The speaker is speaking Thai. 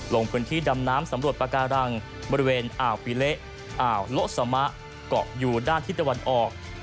ลงพื้นที่ดำน้ำสำรวจปากการังบริเวณอ่าวปีเละอ่าวโละสามะเกาะอยู่ด้านทิศตะวันออก